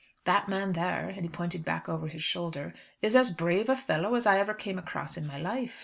That man there," and he pointed back over his shoulder, "is as brave a fellow as I ever came across in my life.